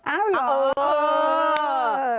อ้าวเหรอ